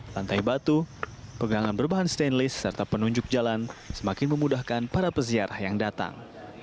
lantai batu pegangan berbahan stainless serta penunjuk jalan semakin memudahkan para peziarah yang datang